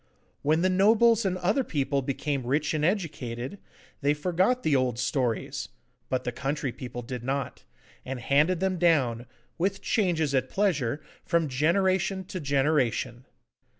When the nobles and other people became rich and educated, they forgot the old stories, but the country people did not, and handed them down, with changes at pleasure, from generation to generation.